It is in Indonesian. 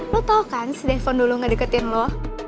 lo tau kan si defon dulu gak deketin lo